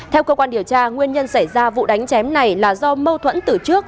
theo cơ quan điều tra nguyên nhân xảy ra vụ đánh chém này là do mâu thuẫn từ trước